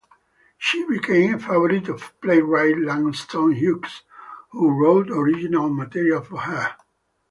She became a favourite of playwright Langston Hughes, who wrote original material for her.